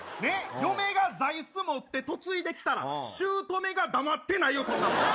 嫁が座いす持って嫁いできたら、しゅうとめが黙ってないよ、そんなもん。